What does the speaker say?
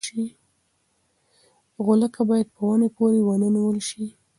غولکه باید په ونې پورې ونه نیول شي.